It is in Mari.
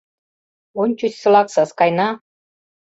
Ончычсылак Саскайна